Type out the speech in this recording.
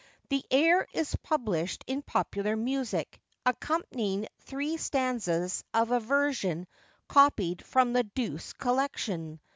The air is published in Popular Music, accompanying three stanzas of a version copied from the Douce collection.